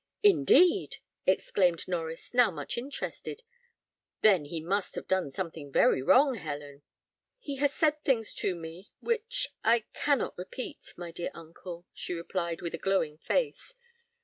"Indeed!" exclaimed Norries, now much interested; "then he must have done something very wrong, Helen." "He has said things to me which I cannot repeat, my dear uncle," she replied, with a glowing face.